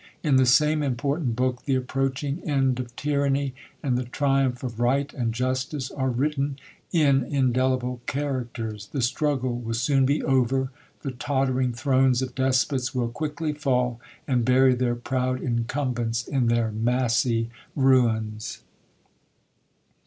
In the same important book the approaching end of Ty ranny and the triumph of Right and Justice are written in indelible characters. Thestruggle will soon be over; the tottering thrones of despots will quickly fall, and feury their proud incumbents in their massy ruins